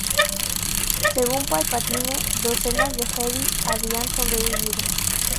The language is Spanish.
Según Palpatine, "docenas de Jedi" habían sobrevivido.